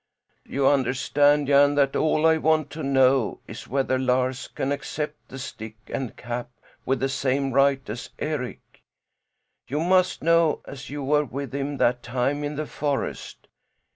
"You understand, Jan, that all I want to know is whether Lars can accept the stick and cap with the same right as Eric. You must know, as you were with him that time in the forest.